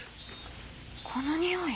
このにおい。